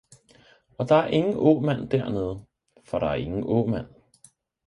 – og der er ingen åmand dernede, for der er ingen åmand!